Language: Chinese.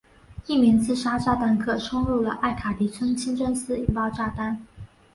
一名自杀炸弹客冲入了艾卡迪村清真寺引爆炸弹。